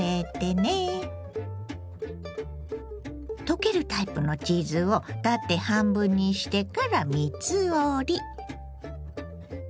溶けるタイプのチーズを縦半分にしてから３つ折り。